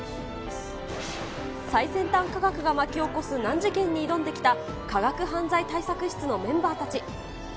最先端科学が巻き起こす難事件に挑んできた科学犯罪対策室のメンバーたち。